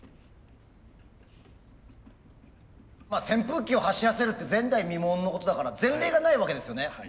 扇風機を走らせるって前代未聞のことだから前例がないわけですよね。